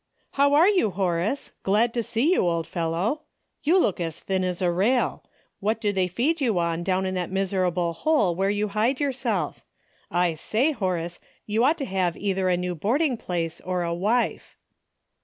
"How are you, Horace ? Glad to see you, old fellow ! You look as thin as a rail. What do they feed you on down in that miserable hole where you hide yourself ? I say, Horace, you ought to have either a new boarding place or a wife."